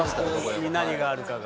何があるかが。